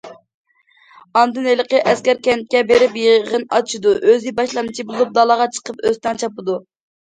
ئاندىن ھېلىقى ئەسكەر كەنتكە بېرىپ يىغىن ئاچىدۇ، ئۆزى باشلامچى بولۇپ دالاغا چىقىپ ئۆستەڭ چاپىدۇ.